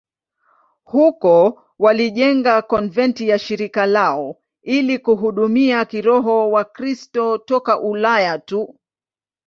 Huko walijenga konventi ya shirika lao ili kuhudumia kiroho Wakristo toka Ulaya tu.